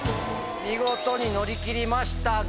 見事に乗り切りましたが。